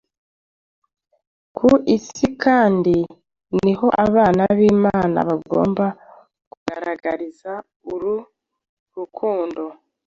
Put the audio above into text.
Ku isi kandi ni ho abana b’Imana bagomba kugaragariza uru rukundo